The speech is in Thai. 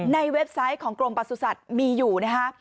ในเว็บไซต์ของกรมปสุสัตว์มีอยู่นะฮะ